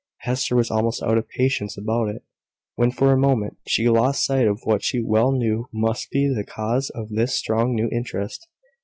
Hester was almost out of patience about it, when for a moment she lost sight of what she well knew must be the cause of this strong new interest.